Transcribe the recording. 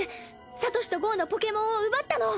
サトシとゴウのポケモンを奪ったの。